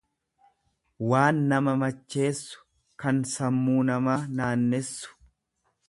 Waan nama macheessu, kan sammuu namaa naannessu.